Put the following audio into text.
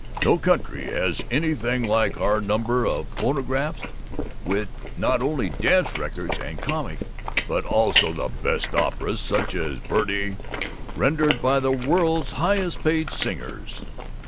No country has anything like our number of phonographs, with not only dance records and comic but also the best operas, such as Verdi, rendered by the world's highest paid singers.